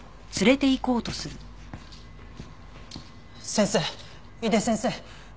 先生井手先生！